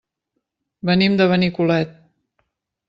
Venim de Benicolet.